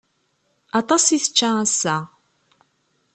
Aṭas i tečča ass-a.